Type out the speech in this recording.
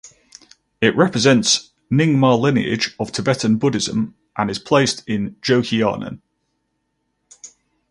It represents Nyingma lineage of Tibetan Buddhism and is placed in Jokioinen.